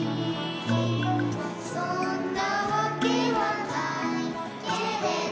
「そんなわけはないけれど」